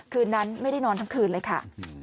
คืนนั้นไม่ได้นอนทั้งคืนเลยค่ะ